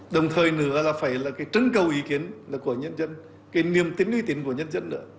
đồng thời nữa là phải là cái trấn cầu ý kiến của nhân dân cái niềm tin uy tín của nhân dân nữa